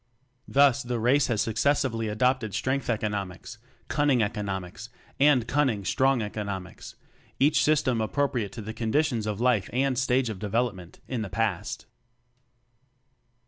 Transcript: Thus the race has successively adopted Strength economics, Cun ning economics, and Cunning Strong economics; each system appropriate to the conditions of life and stage of development, in the past.